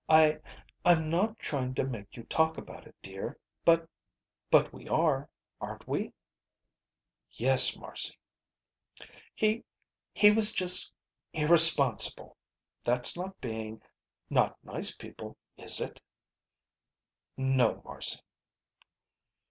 I I'm not trying to make you talk about it, dear, but but we are aren't we?" "Yes, Marcy." "He he was just irresponsible. That's not being not nice people, is it?" "No, Marcy."